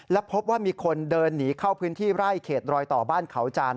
และพบว่ามีคนเดินหนีเข้าพื้นที่ไร่เขตรอยต่อบ้านเขาจาน